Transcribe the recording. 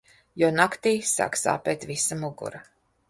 Jo naktī sāk sāpēt visa mugura.